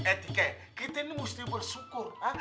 eh tika kita ini mesti bersyukur ah